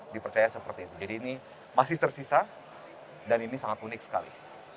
dipercaya seperti itu jadi ini masih tersisa dan ini sangat unik sekali